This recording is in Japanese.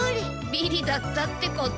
ビリだったってこと？